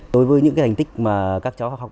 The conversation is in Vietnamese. đối với những hành tích mà các bộ đội biên phòng